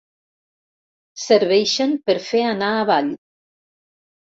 Serveixen per fer anar avall.